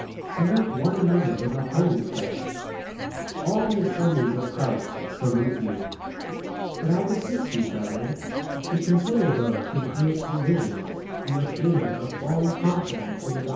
Salute one another with a holy kiss. All p the assemblies of Christ salute you. J 7 But I beseech you, brethren, to consider those who create divi sions and occasions of falling, co n trary to the doctrine which n T.